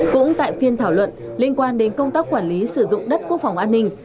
cũng tại phiên thảo luận liên quan đến công tác quản lý sử dụng đất quốc phòng an ninh